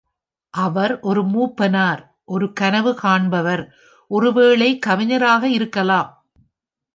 அவர் ஒரு மூப்பனார், ஒரு கனவு காண்பவர், ஒரு வேளை கவிஞராக இருக்கலாம்.